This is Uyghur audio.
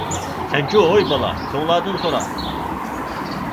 -سەنچۇ ھوي بالا، -چوڭلاردىن سورا.